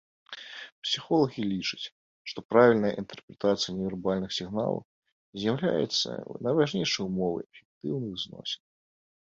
Псіхолагі лічаць, што правільная інтэрпрэтацыя невербальных сігналаў з'яўляецца найважнейшай умовай эфектыўных зносін.